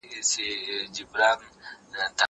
دا پوښتنه له هغه اسانه ده.